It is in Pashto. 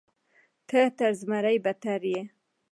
ته تر زمري بدتر یې.